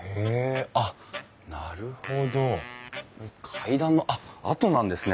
階段のあっ跡なんですね。